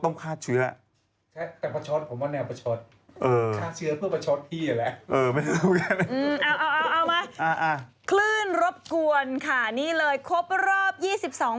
เออจริง